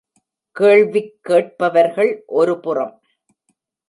கேள்விக் கேட்பவர்கள் ஒரு புறம்.